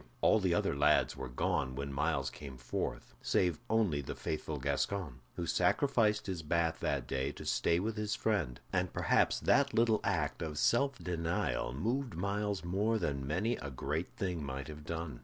All the other lads were gone when Myles came forth, save only the faithful Gascoyne, who sacrificed his bath that day to stay with his friend; and perhaps that little act of self denial moved Myles more than many a great thing might have done.